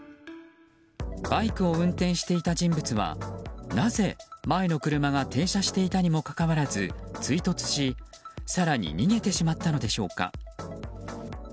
バイクを運転していた人物はなぜ、前の車が停車していたにもかかわらず追突し、更に逃げてしまったのでしょうか。